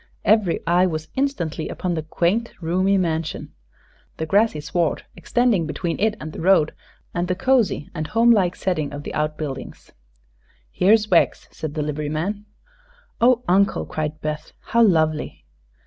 Every eye was instantly upon the quaint, roomy mansion, the grassy sward extending between it and the road, and the cosy and home like setting of the outbuildings. "Here's Wegg's," said the liveryman. "Oh, Uncle," cried Beth; "how lovely!"